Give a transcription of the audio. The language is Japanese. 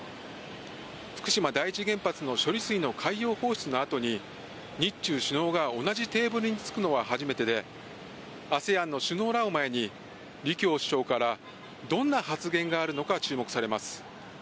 福島第一原発の処理水の海洋放出のあとに、日中首脳が同じテーブルに着くのは初めてで、ＡＳＥＡＮの首脳らを前に、李強首相からどんな発言があるのか注目されます。